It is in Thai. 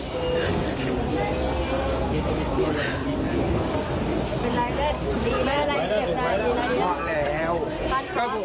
เป็นไรแน่ไม่มีอะไรที่เก็บได้